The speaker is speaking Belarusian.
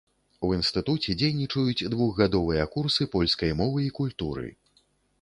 У інстытуце дзейнічаюць двухгадовыя курсы польскай мовы і культуры.